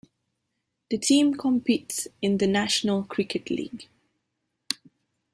The team competes in the National Cricket League.